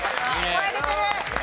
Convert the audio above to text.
声出てるね。